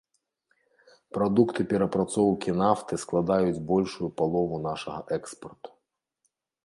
Прадукты перапрацоўкі нафты складаюць большую палову нашага экспарту.